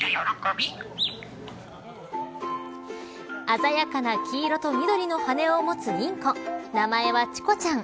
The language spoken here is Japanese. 鮮やかな黄色と緑の羽根を持つインコ名前はチコちゃん。